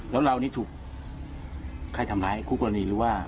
แล้วเรานี่ถูกใครทำร้ายคู่กรณีหรือว่า